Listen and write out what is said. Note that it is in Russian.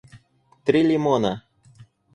три лимона